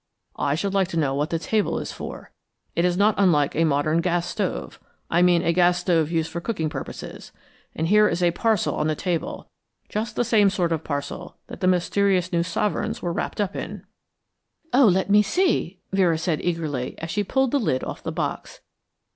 I should like to know what the table is for. It is not unlike a modern gas stove I mean a gas stove used for cooking purposes, and here is a parcel on the table, just the same sort of parcel that the mysterious new sovereigns were wrapped up in." "Oh, let me see," Vera said eagerly as she pulled the lid off the box.